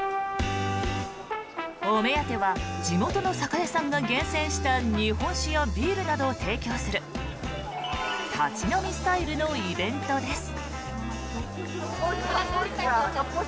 お目当ては地元の酒屋さんが厳選した日本酒やビールなどを提供する立ち飲みスタイルのイベントです。